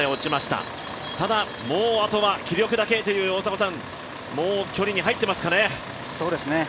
ただもうあとは気力だけという距離に入ってますかね？